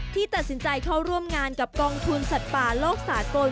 ที่ตัดสินใจเข้าร่วมงานกับกองทุนสัตว์ป่าโลกสากล